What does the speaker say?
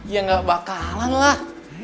ya gak bakalan lah